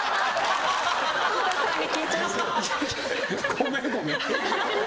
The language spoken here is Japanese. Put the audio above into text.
ごめんごめん。